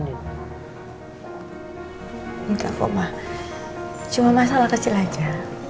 enggak kok mah cuma masalah kecil aja